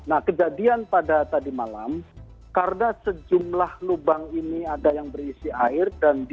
nah kejadian pada tadi malam karena sejumlah lubang ini ada yang berisi air